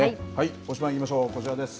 推しバン！いきましょう、こちらです。